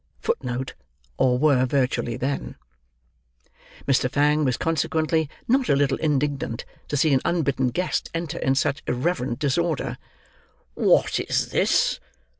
[Footnote: Or were virtually, then.] Mr. Fang was consequently not a little indignant to see an unbidden guest enter in such irreverent disorder. "What is this?